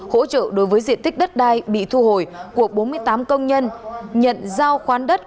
hỗ trợ đối với diện tích đất đai bị thu hồi của bốn mươi tám công nhân nhận giao khoán đất